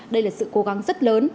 đây là sự cố gắng rất lớn